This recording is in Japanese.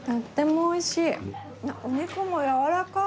お肉もやわらかい。